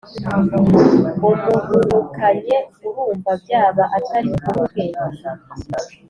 umuhubukanye urumva byaba atari ukubura ubwenge